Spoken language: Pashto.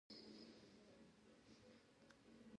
چار مغز د افغانستان د ناحیو ترمنځ تفاوتونه رامنځته کوي.